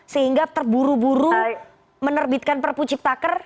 sehingga terburu buru menerbitkan perpu cipta ker